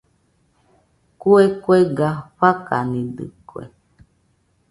Kue kuega fakanidɨkue.